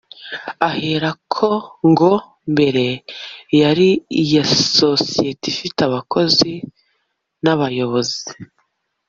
Ahera ko ngo mbere yari iya sosiyete ifite abakozi n’abayobozi